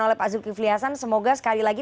oleh pak zulkifli hasan semoga sekali lagi